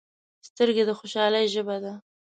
سترګې د خوشحالۍ ژبه ده